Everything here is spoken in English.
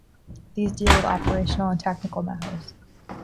These deal with operational and tactical matters.